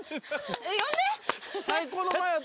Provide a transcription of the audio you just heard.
呼んでよ！